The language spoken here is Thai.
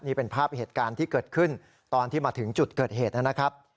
นี่เป็นภาพเหตุการณ์ที่เกิดขึ้นตอนที่มาถึงจุดเกิดเหตุนะครับ